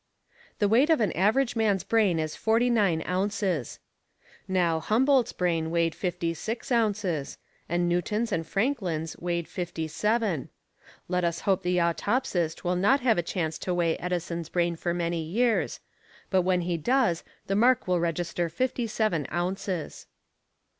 The weight of an average man's brain is forty nine ounces. Now, Humboldt's brain weighed fifty six ounces, and Newton's and Franklin's weighed fifty seven. Let us hope the autopsist will not have a chance to weigh Edison's brain for many years, but when he does the mark will register fifty seven ounces.